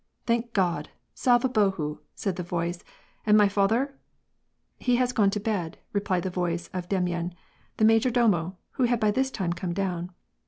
"Thank God, — Slava Bohu/" said the voice, "and my father ?"" He has gone to bed," replied the voice of Demyan, the major domo, who had by this time come down.